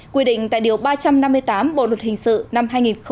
quy định tại điều ba trăm năm mươi tám bộ luật hình sự năm hai nghìn một mươi năm